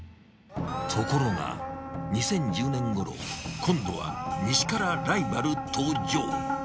ところが２０１０年ごろ、今度は西からライバル登場。